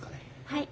はい。